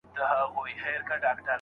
بل ځای الله تعالی فرمايي: